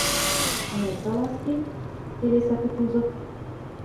— Ну, Салазкин, — келесӓ Кутузов.